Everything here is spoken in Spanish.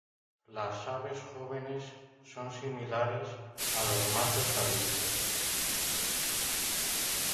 Las aves jóvenes son similares a los machos adultos.